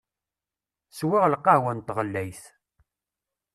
Swiɣ lqahwa n tɣellayt.